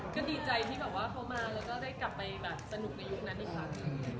ก็ดีใจที่เขามาแล้วก็กลับไปสนุกในยุคนั้นอีกครั้ง